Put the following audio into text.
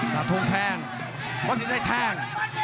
กระทงแทงวัดสินชัยแทง